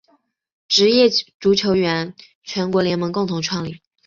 职业足球员全国联盟共同创立。